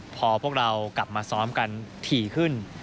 พอพวกเรากลับมาซ้อมกันถี่ขึ้น